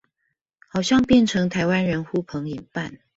好像變成台灣人呼朋引伴